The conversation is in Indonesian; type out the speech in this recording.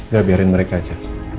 gak biarin mereka aja